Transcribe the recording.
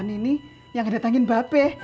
masa malam ini yang ngedatengin bapeh